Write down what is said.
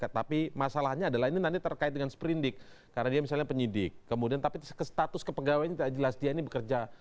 tapi masalahnya adalah ini nanti terkait dengan seperindik karena dia misalnya penyidik kemudian tapi status kepegawaian tidak jelas dia ini bekerja